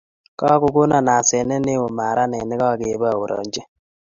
kakokon asanet neo maranet nekakeborienji